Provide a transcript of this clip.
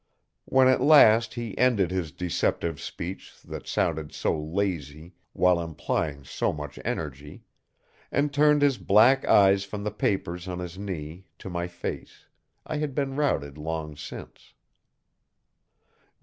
When at last he ended his deceptive speech that sounded so lazy while implying so much energy, and turned his black eyes from the papers on his knee to my face, I had been routed long since.